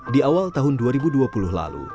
di awal tahun dua ribu dua puluh lalu